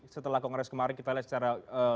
setelah kongres kemarin kita lihat secara